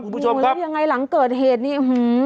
แล้วยังไงหลังเกิดเหตุนี้